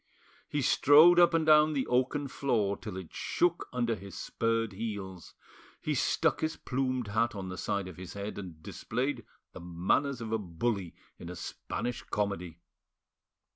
He strode up and down the oaken floor till it shook under his spurred heels; he stuck his plumed hat on the side of his head, and displayed the manners of a bully in a Spanish comedy.